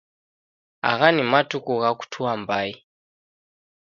Agha ni matuku gha kutua mbai